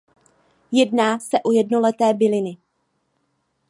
Jedná se o jednoleté byliny.